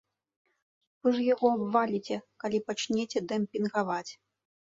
Вы ж яго абваліце, калі пачнеце дэмпінгаваць!